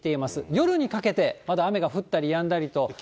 夜にかけて、まだ雨が降ったりやんだりとなりそうです。